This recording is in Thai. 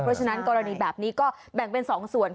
เพราะฉะนั้นกรณีแบบนี้ก็แบ่งเป็น๒ส่วน